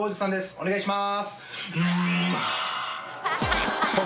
お願いします。